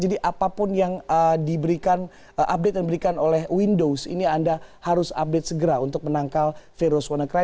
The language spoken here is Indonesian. jadi apapun yang diberikan update dan diberikan oleh windows ini anda harus update segera untuk menangkal virus wannacry